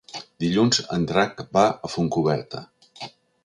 Dilluns en Drac va a Fontcoberta.